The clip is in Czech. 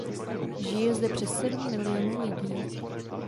Žije zde přes sedm miliónů lidí.